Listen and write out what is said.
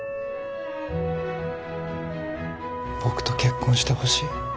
僕と結婚してほしい。